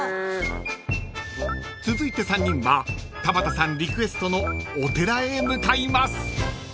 ［続いて３人は田畑さんリクエストのお寺へ向かいます］